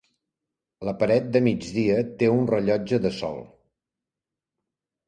La paret de migdia té un rellotge de sol.